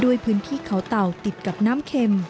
ด้วยพื้นที่เขาเต่าติดกับน้ำเข็ม